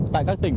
tại các tỉnh